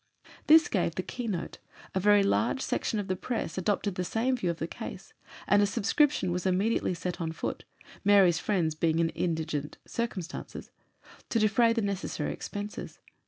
This gave the "key note," a very large section of the press adopted the same view of the case, and a subscription was immediately set on foot Mary's friends being in indigent circumstances to defray the necessary expenses.